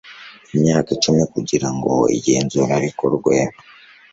imyaka icumi kugira ngo igenzura rikorwe